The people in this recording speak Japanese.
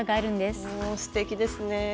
すてきですね。